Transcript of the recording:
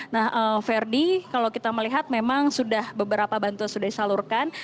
nah verdi kalau kita melihat memang sudah beberapa bantuan sudah disalurkan